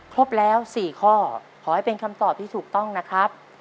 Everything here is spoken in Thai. ครบแล้ว๔ข้อขอให้เป็นคำตอบที่ถูกต้องนะครับ